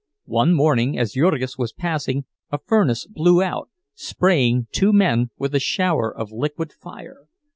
One morning as Jurgis was passing, a furnace blew out, spraying two men with a shower of liquid fire.